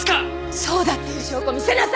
そうだっていう証拠見せなさいよ！